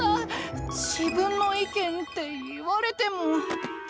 自分の意見って言われても。